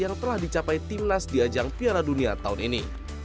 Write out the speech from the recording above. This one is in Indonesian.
yang telah dicapai tim nasional diadjang piala dunia tahun ini